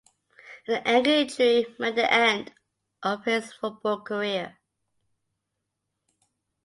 An ankle injury meant the end of his football career.